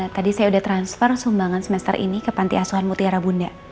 tadi saya sudah transfer sumbangan semester ini ke panti asuhan mutiara bunda